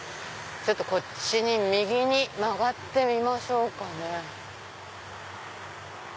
ちょっとこっちに右に曲がってみましょうかね。